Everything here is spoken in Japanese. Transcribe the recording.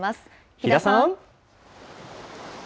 比田さん。